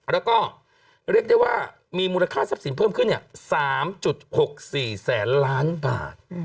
แล้วก็เรียกได้ว่ามีมูลค่าทรัพย์สินเพิ่มขึ้น๓๖๔แสนล้านบาท